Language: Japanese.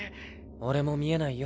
俺も見えないよ。